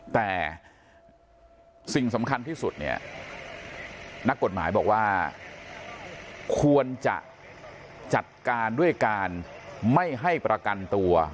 แต่สิ่งสำคัญที่สุดเนี่ยนักกฎหมายบอกว่าควรจะจัดการด้วยการไม่ให้ประกันตัว